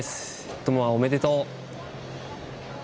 智亜、おめでとう。